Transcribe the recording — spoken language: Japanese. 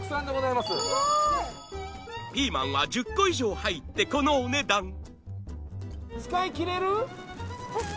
ピーマンは１０個以上入ってこのお値段使い切れる？